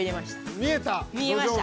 見えた？